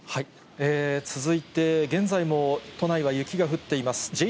続いて、現在も都内は雪が降っています。